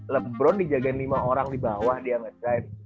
lebron dijagain lima orang di bawah dia nge scribe